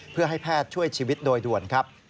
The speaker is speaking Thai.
เพื่อให้แพทย์ช่วยชีวิตโดยด่วนครับ